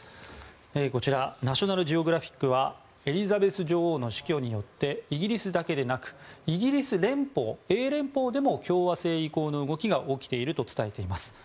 こちらナショナルジオグラフィックはエリザベス女王の死去によってイギリスだけでなくイギリス連邦、英連邦でも共和制移行の動きが起きていると伝えています。